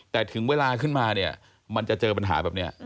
แต่ถึงเวลาขึ้นมาเนี่ยมันจะเจอปัญหาแบบนี้